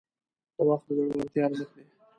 • وخت د زړورتیا ارزښت دی.